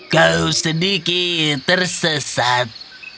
kau sedikit tersesat